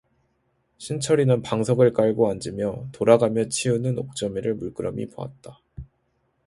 신철이는 방석을 깔고 앉으며 돌아가며 치우는 옥점이를 물끄러미 보았다.